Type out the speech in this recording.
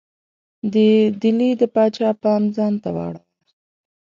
د ډهلي د پاچا پام ځانته واړاوه.